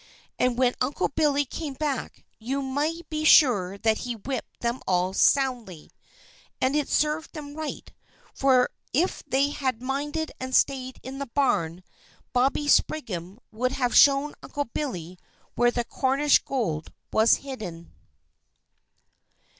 And when Uncle Billy came back you may be sure that he whipped them all soundly. And it served them right, for if they had minded and stayed in the barn, Bobby Spriggan would have shown Uncle Billy where the Cornish gold was hidden.